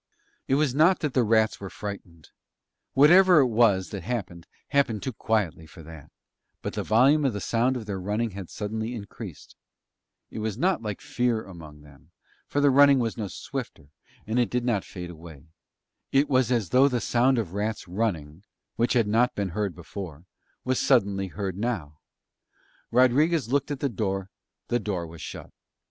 It was not that the rats were frightened: whatever it was that happened happened too quietly for that, but the volume of the sound of their running had suddenly increased: it was not like fear among them, for the running was no swifter, and it did not fade away; it was as though the sound of rats running, which had not been heard before, was suddenly heard now. Rodriguez looked at the door, the door was shut.